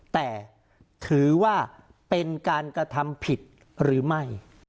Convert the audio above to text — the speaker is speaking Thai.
แต่ถือว่าเป็นการกระทำผิดหรือไม่